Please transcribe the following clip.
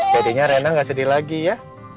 jadinya rena gak sedih lagi ya